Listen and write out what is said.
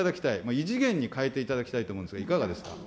異次元に変えていただきたいと思うんですが、いかがですか。